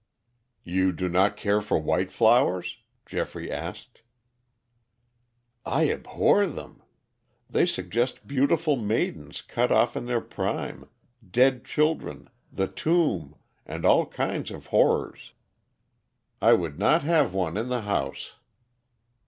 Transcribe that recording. "You do not care for white flowers?" Geoffrey asked. "I abhor them. They suggest beautiful maidens cut off in their prime, dead children, the tomb, and all kinds of horrors. I would not have one in the house."